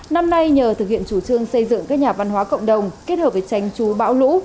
năm nay nhờ thực hiện chủ trương xây dựng các nhà văn hóa cộng đồng kết hợp với tránh chú bão lũ